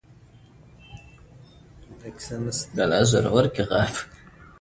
زما ژوند له سختو کړاونو ډګ ده بس رب ته مې هر څه سپارلی.